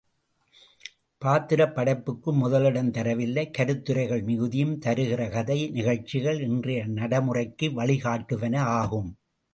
பாத்திரப்படைப்புக்கு முதலிடம் தரவில்லை கருத்துரைகள் மிகுதியும் தருகிறது கதை நிகழ்ச்சிகள் இன்றைய நடைமுறைக்கு வழிகாட்டுவன ஆகும்.